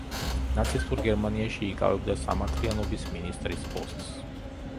ნაცისტურ გერმანიაში იკავებდა სამართლიანობის მინისტრის პოსტს.